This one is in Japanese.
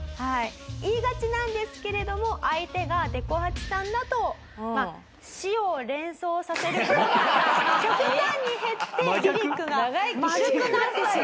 言いがちなんですけれども相手がでこ八さんだと死を連想させる言葉が極端に減ってリリックがまるくなってしまう。